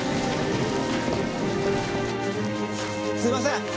すいません